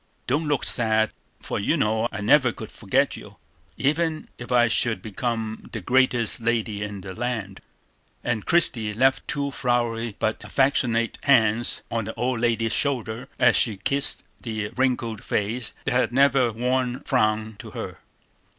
Don't look sad, for you know I never could forget you, even if I should become the greatest lady in the land." And Christie left the prints of two floury but affectionate hands on the old lady's shoulders, as she kissed the wrinkled face that had never worn a frown to her.